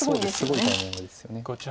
すごいタイミングですよね。